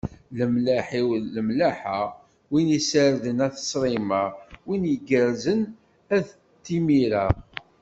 Lemlaḥ-iw lmellaḥa, wwin iserdan at ssṛima, wwin yirgazen at d timira.